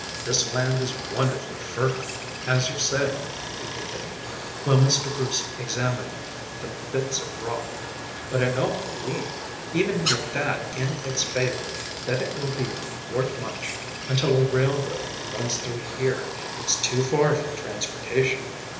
This land is wonderfully fertile, as you say," he continued, while Mr. Bruce examined the bits of rock, "but I don't believe, even with that in its favor, that it will be worth much until a railroad runs through here. It's too far from transportation."